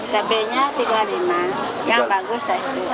cabainya rp tiga puluh lima yang bagus